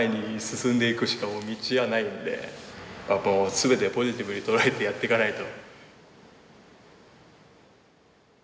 全てポジティブに捉えてやっていかないと。